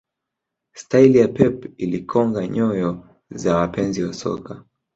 staili ya pep ilikonga nyoyo za wapenzi wa soka